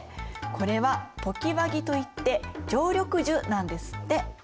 これは常盤木といって常緑樹なんですって。